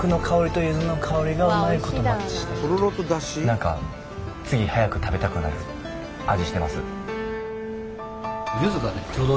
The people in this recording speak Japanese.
何か次早く食べたくなる味してます。